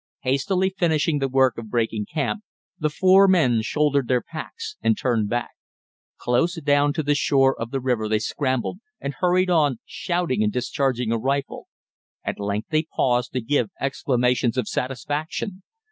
Hastily finishing the work of breaking camp, the four men shouldered their packs and turned back. Close down to the shore of the river they scrambled, and hurried on, shouting and discharging a rifle. At length they paused, to give exclamations of satisfaction.